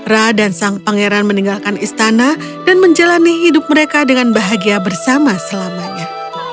ra dan sang pangeran meninggalkan istana dan menjalani hidup mereka dengan bahagia bersama selamanya